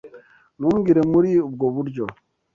Ntumbwire muri ubwo buryo.